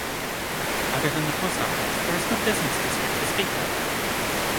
Other than the post office, there is no business district to speak of.